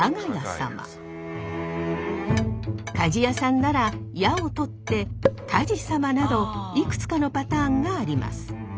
鍛冶屋さんなら「屋」を取って鍛冶サマなどいくつかのパターンがあります。